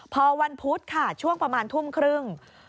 พอวันพุธค่ะช่วงประมาณทุ่มครึ่ง